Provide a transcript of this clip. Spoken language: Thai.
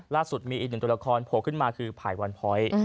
ล่าสุดมีอีกหนึ่งตัวละครโผล่ขึ้นมาคือไผ่วันพอยต์